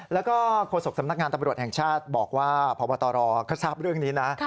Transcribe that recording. แล้วก็โฆษกสำนักงานตำรวจแห่งชาติบอกว่าพบตรก็ทราบเรื่องนี้นะ